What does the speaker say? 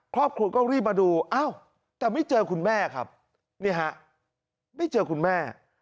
ครอบครัวก็รีบมาดูอ้าวแต่ไม่เจอคุณแม่ครับนี่ฮะไม่เจอคุณแม่